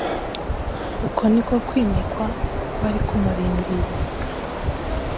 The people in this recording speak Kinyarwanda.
Uko niko kwimikwa kwari kumurindiriye.